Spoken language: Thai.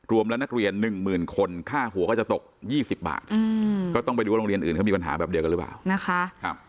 รวมแล้วนักเรียน๑๐๐๐คนค่าหัวก็จะตก๒๐บาทก็ต้องไปดูว่าโรงเรียนอื่นเขามีปัญหาแบบเดียวกันหรือเปล่านะคะ